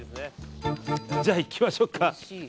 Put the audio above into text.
じゃあ、いきましょうか。